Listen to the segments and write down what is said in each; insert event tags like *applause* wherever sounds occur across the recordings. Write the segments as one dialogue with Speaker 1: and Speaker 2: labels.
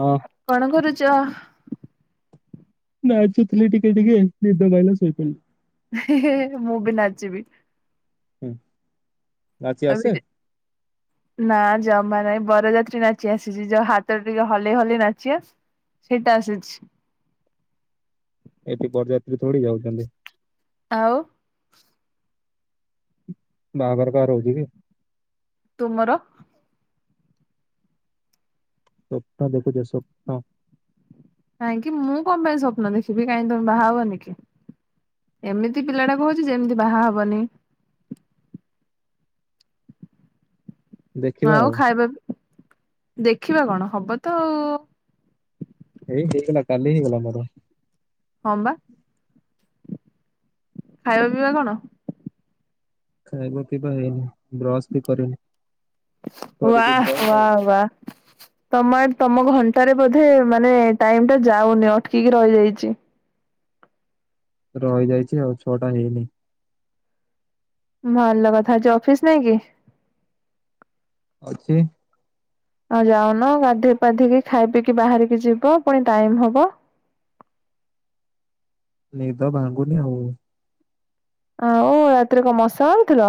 Speaker 1: ହଁ।
Speaker 2: କଣ କରୁଛ?
Speaker 1: ନାଚୁଥିଲି ଟିକେ ଟିକେ ଗୀତ ଗାଇଲ ସୋଇପଇଲି।
Speaker 2: ହେଁ ହେଁ ହେଁ ମୁଁ ବି ନାଚିବି।
Speaker 1: ହୁଁ। ନାଚି ଆସେ
Speaker 2: ତାପରେ ନା ଜମା ନାଇଁ ବରଯାତ୍ରୀ ନାଚି ଆସିଛି ଯୋଉ ହାତ ଟେକି ହଲେଇ ହଲେଇ ନାଚିବ। ସେଇଟା ଆସୁଛି।
Speaker 1: ଏଠି ବରଯାତ୍ରୀ ଥୋଡି ଯାଉଛନ୍ତି।
Speaker 2: ଆଉ-
Speaker 1: ବାହାଘର କାହାର ହଉଚି କି?
Speaker 2: ତୁମର।
Speaker 1: ସ୍ୱପ୍ନ ଦେଖୁଚ ସ୍ୱପ୍ନ-
Speaker 2: କାହିଁକି? ମୁଁ କଁ ପାଇଁ ସ୍ୱପ୍ନ ଦେଖିବି? କାଇଁ ତମେ ବାହାହବନି କି? ଏମିତି ପିଲାଟା କହୁଚି ଯେମିତି ବାହା ହବନି।
Speaker 1: ଦେଖିବା
Speaker 2: ଭାଉ
Speaker 1: ଆଉ
Speaker 2: ଖାଇବା ଦେଖିବା କଣ? ହବ ତ ଉ-
Speaker 1: ଏଇ ହେଇଗଲା, କାଲି ହେଇଗଲା ମୋର।
Speaker 2: ହଁ ବା, ଖାଇବା ପିଇବା କଣ?
Speaker 1: ଖାଇବା ପିଇବା ହେଇନି, ବ୍ରସ୍ ବି କରିନି,
Speaker 2: ୱା
Speaker 1: କରିବି ବ୍ରସ୍ -
Speaker 2: ୱା *unintelligible* ତମ ଆଡ୍ ତମ ଘଣ୍ଟାରେ ବୋଧେ ମାନେ ଟାଇମ୍ ଟା ଯାଉନି ଅଟକି କି ରହିଯାଇଚି।
Speaker 1: ରହିଯାଇଚି ଆଉ ଛଅଟା ହେଇନି।
Speaker 2: ଭଲ କଥା ଆଜି ଅଫିସ୍ ନାଇଁ କି?
Speaker 1: ଅଛି।
Speaker 2: ଆଉ ଯାଉନ ଗାଧେଇ ପାାଧେକି ଖାଇ ପିଇକି ବାହାରିକି ଯିବ ପୁଣି ଟାଇମ୍ ହବ।
Speaker 1: ନିଦ ଭାଙ୍ଗୁନି ଆଉ।
Speaker 2: ଆଉ ରାତିରେ କଣ ମସା ମାଗ୍ ଥିଲ?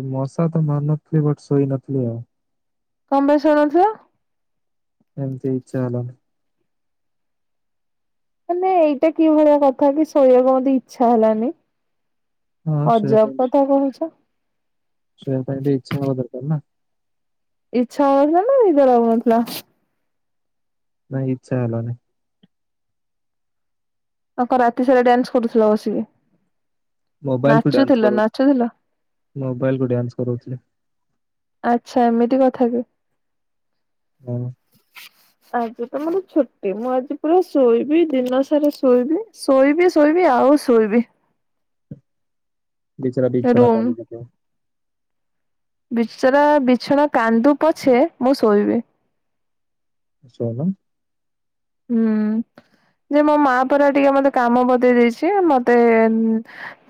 Speaker 1: ଏଇ ମଶା ତ ମାରୁ ନଥିଲି, ବଟ୍ ଶୋଇନଥିଲି ଆଉ।
Speaker 2: କ ପାଇଁ ଶୋଇନଥିଲ?
Speaker 1: ଏମିତ୍ ଇଛା ହେଲାନି।
Speaker 2: ମାନେ ଏଇଟା କି ଭଳିଆ କଥା କି ଶୋଇବାକୁ ମତେ ଇଚ୍ଛା ହେଲାନି।
Speaker 1: ହଁ ଶୋଇବା ପାଇଁ
Speaker 2: ଅଜବ୍
Speaker 1: ବି
Speaker 2: କଥା କହୁଚ।
Speaker 1: ଶୋଇବା ପାଇଁ ବି ଇଛାହବା ଦରକାର ନା।
Speaker 2: ଇଚ୍ଛା ହଉନଥିଲା, ନା ନିଦ ଲାଗୁନଥିଲା।
Speaker 1: ନାଇଁ ଇଛା ହେଲାନି।
Speaker 2: ଆଉ କଂରାତି ସାରା ଡ୍ୟାନ୍ସ କରୁଥିଲ ବସିକି ନାଚୁଥିଲ, ନାଚୁଥିଲ।
Speaker 1: ମୋବାଇଲ୍ କୁ ଡ୍ୟାନ୍ସ୍ କରଉଥିଲି।
Speaker 2: ଆଚ୍ଛା ଏମିତି କଥା କି?
Speaker 1: ହୁଁ-
Speaker 2: ଆଜି ତ ମୋର ଛୁଟି ମୁଁ ଆଜି ପୁରା ଶୋଇବି ଦିନ ସାରା ଶୋଇବି। ଶୋଇବି, ଶୋଇବି, ଆଉ ଶୋଇବି।
Speaker 1: ବିଚରା ବିଛଣା
Speaker 2: ରୁମ
Speaker 1: କାନ୍ଦିପକେଇବ।
Speaker 2: ବିଚରା ବିଛଣା କାନ୍ଦୁ ପଛେ ମୁଁ ଶୋଇବି।
Speaker 1: ଶୋଉନ।
Speaker 2: ହୁଁ ଯେ ମୋ ମା ପରା ଟିକେ ମତେ କାମ ବତେଇ ଦେଇଛି, ମତେ ଏନ୍-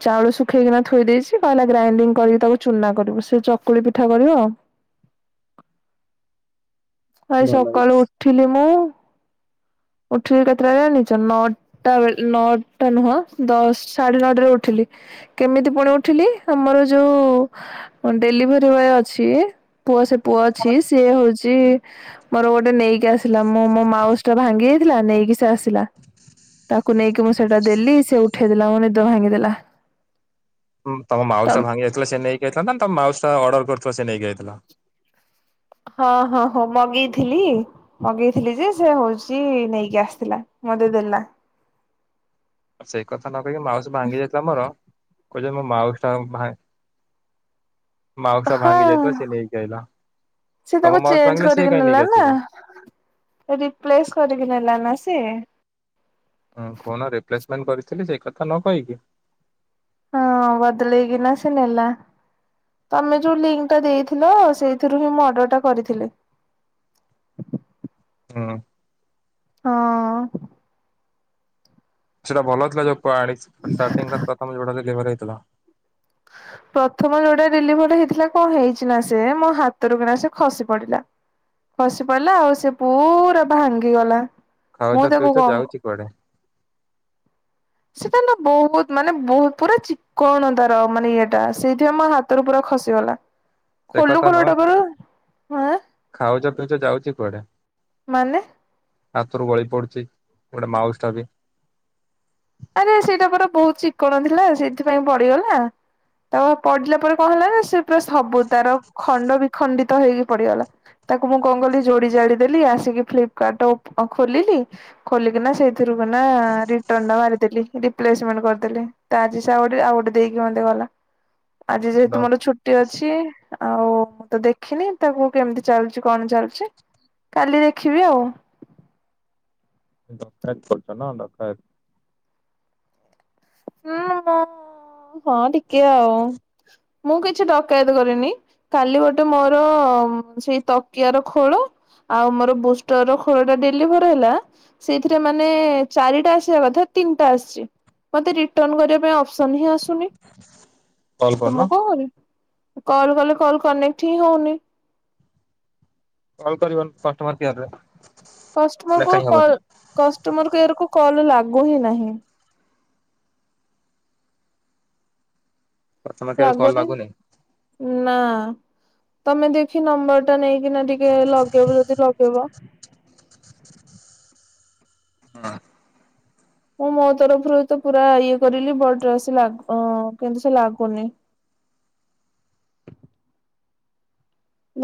Speaker 2: ଚାଉଳ ଶୁଖେଇକିନା ଥୋଇ ଦେଇଛି, କହିଲା ଗ୍ରାଇଣ୍ଡିଗ୍ କରିକି ତାକୁ ଚୁନା କରିବୁ, ସେ ଚକୁଳି ପିଠା କରିବ। ଆଇ
Speaker 1: ଭଲ ହେଇଛି।
Speaker 2: ସକାଳୁ ଉଠିଲି ମୁଁ। ଉଠିଲି କେତେଟାରେ ଜାଣିଚ ନଟ୍- ଟା ବେଳ୍ ନଅଟା ନୁହଁ ଦଶ୍ ସାଢେ ନଅଟା ରେ ଉଠିଲି। କେମିତି ପୁଣି ଉଠିଲି? ଆମର ଯୋଉ ଡେଲିଭରି ବୟେ ଅଛି। ପୁଅ ସେ ପୁଅ ଅଛି, ସିଏ ହଉଚି। ମୋର ଗୋଟେ ନେଇକି ଆସିଲା ମୁଁ ମୋ ମାଉସ୍ ଟା ଭାଙ୍ଗି ଯାଇଥିଲା ନେଇକି ସେ ଆସିଲା। ତାକୁ ନେଇକି ମୁଁ ସେଇଟା ଦେଲି ସେ ଉଠେଇ ଦେଲାରୁ ମୋ ନିଦ ଭାଙ୍ଗିଦେଲା।
Speaker 1: ତମ
Speaker 2: ତ
Speaker 1: ମାଉସ୍ ଟା ଭାଙ୍ଗି ଯାଇଥିଲା, ସେ ନେଇକି ଆଇଥାଂତା ତମ ମାଉସ୍ ଟା ଅର୍ଡର୍ କରିଥିଲ ସେ ନେଇକି ଆଇଥିଲା।
Speaker 2: ହଁ ହଁ ହଁ ମଗେଇଥିଲି। ମଗେଇଥିଲି ଯେ ସେ ହଉଚି, ନେଇକି ଆସିଥିଲା ମତେ ଦେଲା।
Speaker 1: ଆ ସେଇ କଥା ନ କହିକି ମାଉସ୍ ଭାଙ୍ଗି ଯାଇଥିଲା ମୋର କଉଚି ମୋ ମାଉସ୍ ଟା ଭାଗ-୍ ମାଉସ୍ ଟା
Speaker 2: ହଁ
Speaker 1: ଭାଙ୍ଗିଯାଇଥିଲା ସେ ନେଇକିଆଇଲା।
Speaker 2: ସେ ତାକୁ ଚେଞ୍ଜ କରିକି ନେଲା ନା।
Speaker 1: ଆସିବ
Speaker 2: ରିପ୍ଲେସ କରିକି ନେଲା ନା ସିଏ।
Speaker 1: ହୁଁ କହୁନ ରିପ୍ଲେସମେଣ୍ଟ କରିଥିଲି ସେଇ କଥା ନ କହିକି
Speaker 2: ହଁ ବଦଲେଇ କିନା ସେ ନେଲା। ତମେ ଯୋଉ ଲିଙ୍କଟା ଦେଇଥିଲ ସେଇଥିରୁ ହିଁ ମୁଁ ଅର୍ଡରଟା କରିଥିଲି।
Speaker 1: ହଁ।
Speaker 2: ହଁ।
Speaker 1: ସେଇଟା ଭଲଥିଲା ଯାହାକୁ ଆଣିଚି ଷ୍ଟାର୍ଟଟିଂ ତା ପ୍ରଥମ ଯୋଉଟା *unintelligible* ହେଇଥିଲ।
Speaker 2: ପ୍ରଥମ ଯୋଉଟା ଡେଲିଭରି ହେଇଥିଲା କଁ ହେଇଚି ନା ସେ ମୋ ହାତରୁ କିନା ସେ ଖସି ପଡିଲା। ଖସି ପଇଲା ଆଉ ସେ ପୁରା ଭାଙ୍ଗିଗଲା।
Speaker 1: ଖାଉଛ
Speaker 2: ମୁଁ ତାକୁ
Speaker 1: ପିଉଛ
Speaker 2: କଁ
Speaker 1: ଯାଉଛି କୁଆଡେ
Speaker 2: ସେଟା ନା ବହୁତ ମାନେ ବହୁତ ପୁରା ଚିକଣ ତା ର ମାନେ ଇଏଟା ସେଇଥିପାଇଁ ମୋ ହାତରୁ ପୁରା ଖସିଗଲା।
Speaker 1: ସେ
Speaker 2: ଖୋଲୁ
Speaker 1: କଥା
Speaker 2: ଖୋଲୁ
Speaker 1: ନୁହଁ,
Speaker 2: ଏଟା ପରା ଆଁ
Speaker 1: ଖାଉଚ ପିଉଚ ଯାଉଚି କୁଆଡେ?
Speaker 2: ମାନେ?
Speaker 1: ହାତୁରୁ ଗଳି ପଡୁଚି ଗୋଟେ ମାଉସଟା ବି।
Speaker 2: ଆରେ ସେଇଟା ପରା ବହୁତ ଚିକଣ ଥିଲା ସେଥିପାଇଁ ପଡିଗଲା। ତା ପଡିଲା ପରେ କଁ ହେଲା ନା, ସେ ପୁରା ସବୁ ତାର ଖଣ୍ଡ ବିଖଣ୍ଡିତ ହେଇକି ପଡିଗଲା। ତାକୁ ମୁଁ କଁ କଲି ଯୋଡି ଯାଡି ଦେଲି ଆସିକି ଫ୍ଲିପକାର୍ଟ ଅପ୍ ଖୋଲିଲି ଖୋଲିକିନା ସେଇଥିରୁ କିନା ରିଟର୍ନ ଟା ମାରି ଦେଲି, ରିପ୍ଲେସମଣ୍ଟ କରିଦେଲି ତା ଆଜି ସେ ଆଉ ଗୋଟେ ଆଉ ଗୋଟେ ଦେଇକି ମତେ ଗଲା। ଆଜି
Speaker 1: ଡ
Speaker 2: ଯେହେତୁ ମୋର ଛୁଟି ଅଛି। ଆଉ ମୁଁ ତ ଦେଖିନି ତାକୁ କେମିତି ଚାଲିଚି କଣ ଚାଲିୁଚି କାଲି ଦେଖିବି ଆଉ।
Speaker 1: *unintelligible* ଡକାୟତ।
Speaker 2: ହୁଁ ହଁ ହଁ ଟିକେ ଆଉ ମୁଁ କିଛି ଡକାୟତ କରିନି। କାଲି ଗୋଟେ ମୋର ସେଇ ତକିଆର ଖୋଳ ଆଉ ମୋର ବୁଷ୍ଟର ଖୋଳଟା ଡେଲିଭର ହେଲା ସେଇଥିରେ ମାନେ ଚାରିଟା ଆସିବା କଥା ତିନିଟା ଆସିଚି। ମୋତେ ରିଟର୍ନ କରିଆ ପାଇଁ ଅପସନ୍ ହିଁ ଆସୁନି,
Speaker 1: କଲ୍
Speaker 2: ତ
Speaker 1: କରୁନ
Speaker 2: ମୁଁ କଁ କରିବି। କଲ୍ କଲେ କଲ୍ କନେକ୍ଟ ହିଁ ହଉନି।
Speaker 1: କଲ କରିବ କଷ୍ଟମର କେୟାରରେ।
Speaker 2: କଷ୍ଟମରକୁ
Speaker 1: ଲେଖାହିଁ ହବନି
Speaker 2: କଲ୍ କଷ୍ଟମର କେୟାରକୁ କଲ୍ ଲାଗୁ ହିଁ ନାହିଁ।
Speaker 1: କଷ୍ଟମର କେୟାରକୁ କଲ୍
Speaker 2: ଲାଗୁନି ନା ତମେ ଦେଖି ନମ୍ବରଟା ନେଇ ଏଇନା ଟିକେ ଲଗେଇବ ଯଦି ଲଗେଇବ।
Speaker 1: ନା।
Speaker 2: ମୁଁ ମୋ ତରଫରୁ ତ ପୁରା ଇଏ କରିଲି ବଟ ସେ ଲାଗୁ କିନ୍ତୁ ସେ ଲାଗୁନି।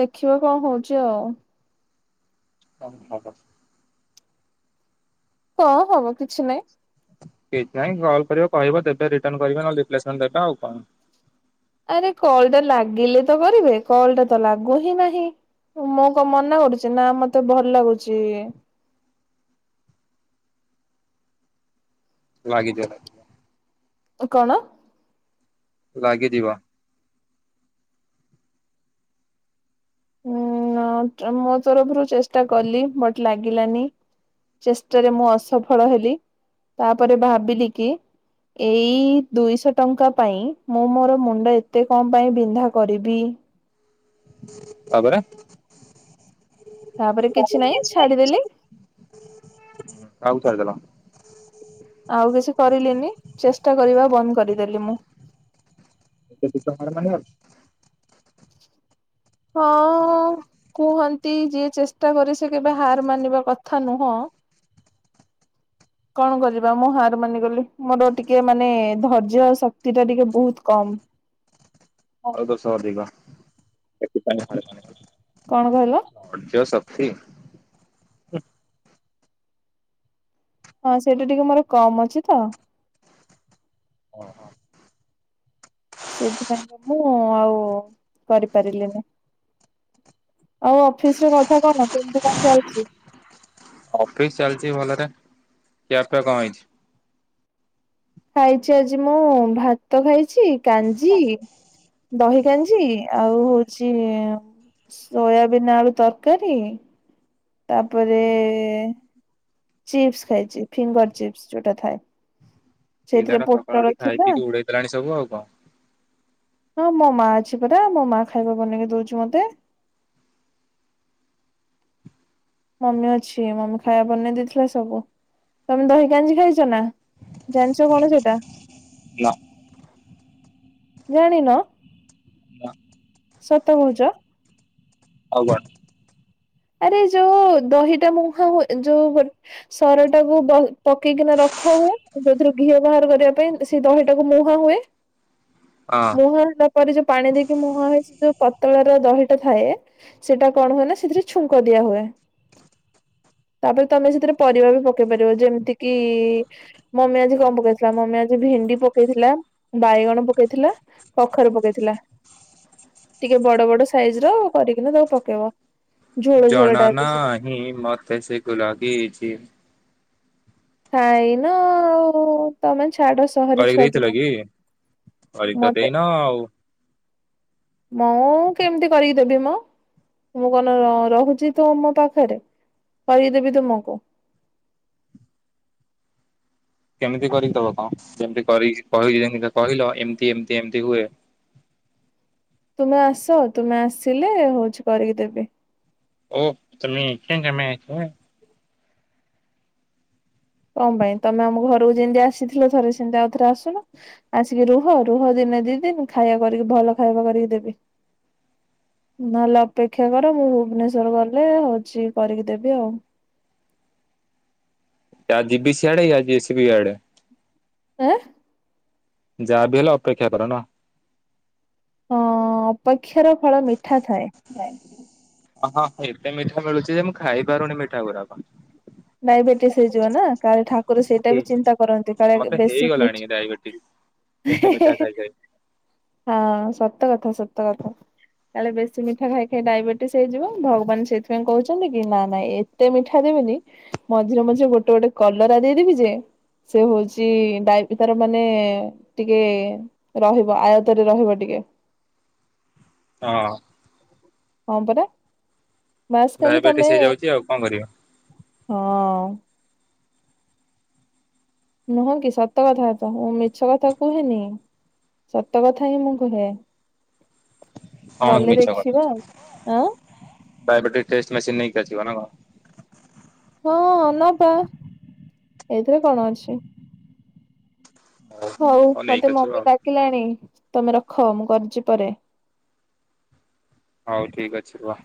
Speaker 2: ଦେଖିବା କଁ ହଉଚି ଆଉ।
Speaker 1: କଁ ହବ?
Speaker 2: କଁ ହବ କିଛି ନାହିଁ।
Speaker 1: କିଛି ନାହିଁ କଲ୍ କରିବ କହିବ ଦେବେ ରିଟର୍ନ କରିବେ, ନହଲେ ରିପ୍ଲେସମେଣ୍ଟ ଦେବେ ଆଉ କଣ।
Speaker 2: ଆରେ କଲଟା ଲାଗିଲେ ତ କରିବେ କଲଟା ତ ଲାଗୁ ହିଁ ନାହିଁ। ମୁଁ କଁ ମନା କରୁଚି ନା ମତେ ଭଲ ଲାଗୁଚି ଇଏ।
Speaker 1: ଲାଗିଯିବ କାଳେ।
Speaker 2: କଣ?
Speaker 1: ଲାଗିଯିବ।
Speaker 2: ଉଁ ନଟ୍ ମୋ ତରଫରୁ ଚେଷ୍ଟା କଲି ବଟ୍ ଲାଗିଲାନି। ଚେଷ୍ଟାରେ ମୁଁ ଅସଫଳ ହେଲି ତାପରେ ଭାବିଲି କି ଏଇ ଦୁଇଶ ଟଙ୍କା ପାଇଁ ମୁଁ ମୋର ମୁଣ୍ଡ ଏତେ କଁ ପାଇଁ ବିନ୍ଧା କରିବି।
Speaker 1: ତାପରେ।
Speaker 2: ତାପରେ କିଛି ନାଇଁ ଛାଡିଦେଲି।
Speaker 1: ଆଉ ତାର
Speaker 2: ଆଉ କିଛି କରିଲିନି ଚେଷ୍ଟା କରିବା ବନ୍ଦ କରିଦେଲି ମୁଁ
Speaker 1: *inaudible*
Speaker 2: ହଁ। କୁହନ୍ତି ଯିଏ ଚେଷ୍ଟା କରେ ସେ କେବେ ହାର ମାନିବା କଥା ନୁହଁ। କଣ କରିବା ମୁଁ ହାର ମାନିଗଲି ମୋର ଟିକେ ଏ ମାନେ ଧୈର୍ଯ୍ୟ ଆଉ ଶକ୍ତି ଟା ଟିକେ ଏ ବହୁତ କମ।
Speaker 1: ଆଳୁ ଦୋଷ ଅଧିକ ସେଥିପାଇଁ *inaudible*
Speaker 2: କଣ କହିଲ?
Speaker 1: *inaudible*
Speaker 2: ହଁ ସେଇଟା ଟିକେ ମୋର କମ ଅଛି ତ
Speaker 1: ଅ ହ।
Speaker 2: ସେଥିପାଇଁକା ମୁଁ ଆଉ କରିପାରିଲିନି। ଆଉ ଅଫିସର କଥା କଣ କେମତି କଣ ଚାଲିଛି?
Speaker 1: ଅଫିସ ଚାଲିଛି ଭଲରେ ଖିଆ ପିଆ କଣ ହେଇଛି।
Speaker 2: ଖାଇଛି ଆଜି ମୁଁ ଭାତ ଖାଇଛି କାଞ୍ଜି ଦହି କାଞ୍ଜି ଆଉ ହଉଛି ସୋୟାବିନ୍ ଆଳୁ ତରକାରୀ ତାପରେ ଚିପ୍ସ ଖାଇଛି ଫିଙ୍ଗର ଚିପ୍ସ ଯୋଉଟା ଥାଏ। ସେଇଥିରେ
Speaker 1: ପିଲାଟା ସକାଳୁ
Speaker 2: ପୋଟଳ
Speaker 1: ଉଠି
Speaker 2: ଥିଲା
Speaker 1: ଖାଇପିକି ଉଡେଇଦେଲାଣି ସବୁ ଆଉ କଣ?
Speaker 2: ହଁ ମୋ ମା ଅଛି ପରା ମୋ ମା ଖାଇବା ବନେଇକି ଦଉଛି ମତେ? ମମି ଅଛି ମମି ଖାଇବା ବନେଇ ଦେଇଥିଲା ସବୁ ତମେ ଦହି କାଞ୍ଜି ଖାଇଛ ନା ଜାଣିଛ କଣ ସେଟା?
Speaker 1: ନା।
Speaker 2: ଜାଣିନ?
Speaker 1: ନା
Speaker 2: ସତ କହୁଚ?
Speaker 1: ଆଉ କଣ?
Speaker 2: ଆରେ ଯୋଉ ଦହିଟା ମୁଁ ଖାଉ ଯୋଉ ସରଟାକୁ ପକେଇକିନା ରଖା ହୁଏ ଯୋଉଥିରୁ ଘିଅ ବାହାର କରିବା ପାଇଁ ସେ ଦହିଟାକୁ ମୁହାଁ ହୁଏ।
Speaker 1: ହଁ
Speaker 2: ମୁହାଁ ହେଲା ପ ପରେ ଯୋଉ ପାଣି ଦେଇକି ମୁହାଁ ହେଇ ଯୋଉ ପତଳାର ଦହିଟା ଥାଏ ସେଇଟା କଣ ହୁଏ ନା ସେଥିରେ ଛୁଙ୍କ ଦିଆ ହୁଏ। ତାପରେ ତମେ ସେଥିରେ ପରିବା ବି ପକେଇ ପାରିବ ଯେମିତି କିି? ମମି ଆଜି କଣ ପକେଇଥିଲା ମମି ଆଜି ଭେଣ୍ଡି ପକେଇଥିଲା ବାଇଗଣ ପକେଇଥିଲା। କଖାରୁ ପକେଇଥିଲା ଟିକେ ବଡ ବଡ ସାଇଜର କରିକିନା ତାକୁ ପକେଇବ। ଝୋଳ ଝୋଳ
Speaker 1: ଜଣା
Speaker 2: ଟାଇପ ର
Speaker 1: ନାହିଁ ମତେ ସେଗେଡା କିଛି।
Speaker 2: ଖାଇନ ଆଉ ତମେ ଛାଡ ସେ
Speaker 1: କରିକି ଦେଇଥିଲ କି କରିକିତ
Speaker 2: ମତେ
Speaker 1: ଦେଇନ ଆଉ
Speaker 2: ମୁଁ କେମିତି କରିକି ଦେବି ମ? ମୁଁ କଣ ରହୁଛି ତୁ ମୋ ପାଖରେ କରିଦେବି ତୁମକୁ।
Speaker 1: କେମିତି କରିଦବ କଣ ଯେମତି କହିିଲ ଯେ କହିଲ ଏମିତି ଏମତି ଏମିତି ହୁଏ।
Speaker 2: ତୁମେ ଆସ ତୁମେ ଆସିଲେ ହଉଛି କରିକି ଦେବି?
Speaker 1: ଓ ତମେ ଆଚ୍ଛ ତମେ ଆଚ୍ଛ।
Speaker 2: କଣ ପାଇଁ ତମେ ଆମ ଘରକୁ ଯେମିତି ଆସିଥିଲ ଥରେ ସେମିତି ଆଉଥରେ ଆସୁନ। ଆସିକି ରୁହ ରୁହ ଦିନେ ଦିଦିନି ଖାଇବା କରିକି ଭଲ ଖାଇବା କରିକି ଦେବି। ନହେଲେ ଅପେକ୍ଷା କର ମୁଁ ଭୁବନେଶର ଗଲେ ହଉଛି କରିକି ଦେବି ଆଉ
Speaker 1: ଯା ଜିିବି ସିଆଡେ ଆଜି ଆସିବି ଇଆଡେ।
Speaker 2: ଏଁ।
Speaker 1: ଯାହା ବିି ହେଲେ ଅପେକ୍ଷା କର ନା
Speaker 2: ହଁ ଅପେକ୍ଷାର ଫଳ ମିଠା ଥାଏ।
Speaker 1: ହଁ ହ ଏତେ ମିଠା ମିଳୁଛି ଯେ ମୁଁ ଖାଇ ପାରୁନି ମିଠା ଗୁରାକ
Speaker 2: ଡାଇବେଟିସ ହେଇଯିବ ନା କାଳେ ଠାକୁର ସେଇଟା ବି ଚିନ୍ତା କରନ୍ତି କାଳେ ବେ
Speaker 1: ମତେ
Speaker 2: ବେଶୀ ମି
Speaker 1: ହେଇଗଲାଣି ଡାଇବେଟିସ ଏତେ ମିଠା ଖାଇପାଇ
Speaker 2: ହଁ ସତ କଥା ସେତ କଥା କାଳେ ବେସି ମିଠା ଖାଇ ଖାଇ ଡାଇବେଟିସ୍ ହେଇଯିବ ଭଗବାନ ସେଇଥିପାଇଁ କହୁଛନ୍ତି କି ନା ନାଇ ଏତେ ମିଠା ଦେବେନି ମଝିରେ ମଝିରେ ଗୋଟେ ଗୋଟେ କଲରା ଦେଇଦେବି ଯେ ସେ ହଉଛି ଡ଼ାଇବି ତାର ମାନେ ଟିକେ ରହିବା ଆୟତରେ ରହିବା ଟିକେ
Speaker 1: ହଁ
Speaker 2: ହଁ ପରା ବାସ ଖାଲି
Speaker 1: ଡାଇବେଟିସ
Speaker 2: ତମେ
Speaker 1: ହେଇଯାଉଛି ଆଉ କଣ କରିବା
Speaker 2: ହଁ ନୁହଁ କି ସତ କଥା ତ ମୁଁ ମିଛ କଥା କୁହେନି ସତ କଥା ହିଁ ମୁଁ କୁହେ
Speaker 1: କଣ
Speaker 2: ଗଲେ
Speaker 1: ମିଛ
Speaker 2: ଦେଖିବା
Speaker 1: କଥା
Speaker 2: ଆଉ ଆଁ
Speaker 1: କରବେଟ୍ର ଟେଷ୍ଟ ମେସିନ ନେଇକି ଆସିବ ନା କଣ
Speaker 2: ହଁ ନବା ଏଇଥିରେ କଣ ଅଛି ହଉ ମତେ
Speaker 1: ନେଇକି ଆସିବ
Speaker 2: ମମି
Speaker 1: ଆଉ
Speaker 2: ଡାକିଲାଣି ତମେ ରଖ ମୁଁ କରିଛି ପରେ
Speaker 1: ହଉ ଠିକ ଅଛି ରୁହ